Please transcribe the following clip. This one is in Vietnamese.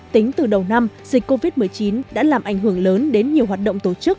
tính từ đầu năm dịch covid một mươi chín đã làm ảnh hưởng lớn đến nhiều hoạt động tổ chức